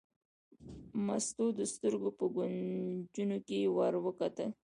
مستو د سترګو په کونجونو کې ور وکتل.